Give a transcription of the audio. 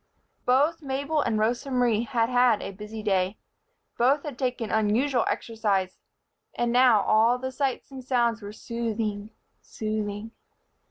Both Mabel and Rosa Marie had had a busy day. Both had taken unusual exercise. And now all the sights and sounds were soothing, soothing.